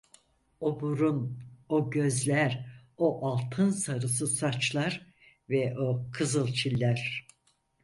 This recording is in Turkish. O burun, o gözler, o altın sarısı saçlar ve o kızıl çiller.